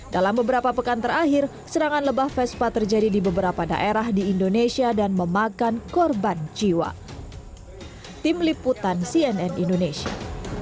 dalam beberapa pekan terakhir serangan lebah vespa terjadi di beberapa daerah di indonesia dan memakan korban jiwa